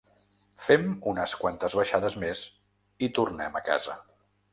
Fem unes quantes baixades més, i tornem a casa